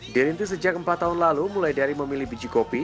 dirintis sejak empat tahun lalu mulai dari memilih biji kopi